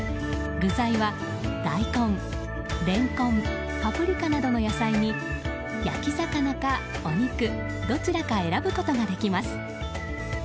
具材は大根、レンコンパプリカなどの野菜に焼き魚かお肉どちらか選ぶことができます。